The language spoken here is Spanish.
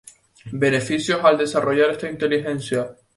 Beneficios al desarrollar esta inteligencia.